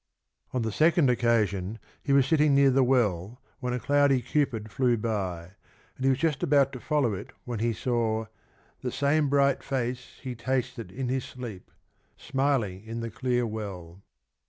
On the second occasion he was sitting near the well when a cloudy Cupid flew by, and he was just about to follow it when he saw — The same bright face [he] tasted in [his] sleep Smiling in the clear well.